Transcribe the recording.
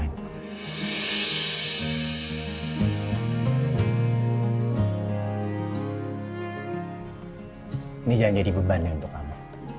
ini jangan jadi beban ya untuk kamu